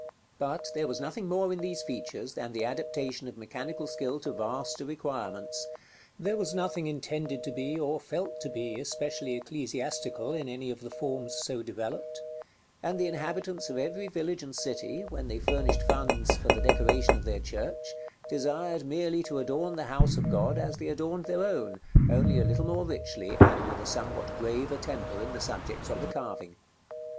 But there was nothing more in these features than the adaptation of mechanical skill to vaster requirements; there was nothing intended to be, or felt to be, especially ecclesiastical in any of the forms so developed; and the inhabitants of every village and city, when they furnished funds for the decoration of their church, desired merely to adorn the house of God as they adorned their own, only a little more richly, and with a somewhat graver temper in the subjects of the carving.